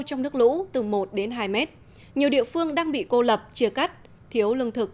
trong nước lũ từ một đến hai mét nhiều địa phương đang bị cô lập chia cắt thiếu lương thực